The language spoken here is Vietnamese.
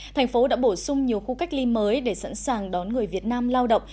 thành phố đã bổ sung nhiều khu cách ly mới để sẵn sàng đón người việt nam lao động